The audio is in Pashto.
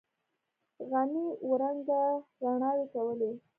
غمي اوه رنگه رڼاوې کولې.